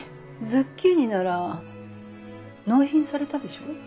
ズッキーニなら納品されたでしょ？